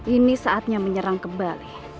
ini saatnya menyerang kembali